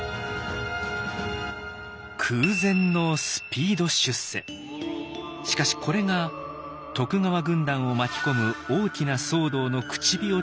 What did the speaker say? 空前のしかしこれが徳川軍団を巻き込む大きな騒動の口火を切ることになります。